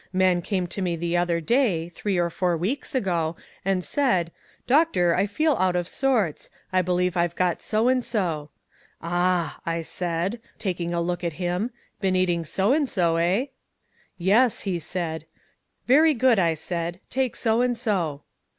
"Man came to me the other day three or four weeks ago and said, 'Doctor, I feel out of sorts. I believe I've got so and so.' 'Ah,' I said, taking a look at him, 'been eating so and so, eh?' 'Yes,' he said. 'Very good,' I said, 'take so and so.'